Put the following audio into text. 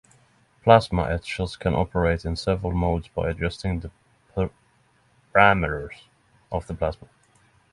Plasma etchers can operate in several modes by adjusting the parameters of the plasma.